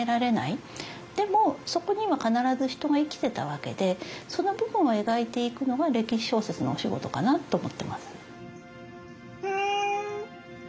でもそこには必ず人が生きてたわけでその部分を描いていくのが歴史小説のお仕事かなと思ってます。